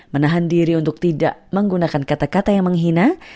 menahan diri untuk tidak menggunakan kata kata yang menghina